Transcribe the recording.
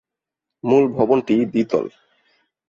মূল ভবনটি দ্বিতল।